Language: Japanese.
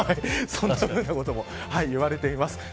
そんなことも言われています。